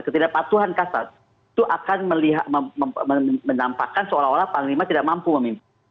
ketidakpatuhan kasat itu akan menampakkan seolah olah panglima tidak mampu memimpin